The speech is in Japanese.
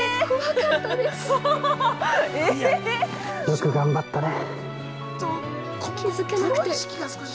◆よく頑張ったね。